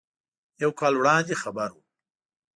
یو کال وړاندې خبر و.